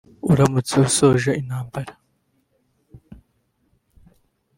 uramutse ushoje intambara